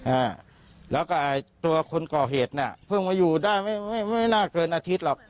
อ่าแล้วก็ไอ้ตัวคนก่อเหตุน่ะเพิ่งมาอยู่ได้ไม่ไม่น่าเกินอาทิตย์หรอก